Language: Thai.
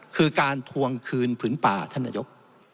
คือการทวงคืนผืนป่าท่านนายก